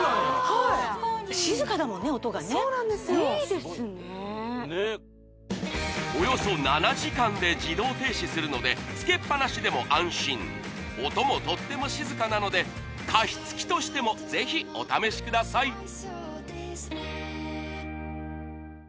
はい静かだもんね音がねそうなんですよおよそ７時間で自動停止するのでつけっぱなしでも安心音もとっても静かなので加湿器としてもぜひお試しください